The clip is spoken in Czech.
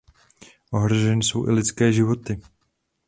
Ohroženy jsou i lidské životy.